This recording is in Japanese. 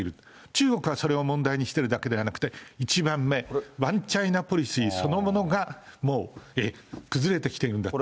中国はそれを問題にしているだけではなくて、１番目、ワンチャイナポリシーそのものが、もう崩れてきてるんだと。